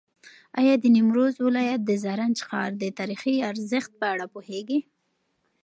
ایا د نیمروز ولایت د زرنج ښار د تاریخي ارزښت په اړه پوهېږې؟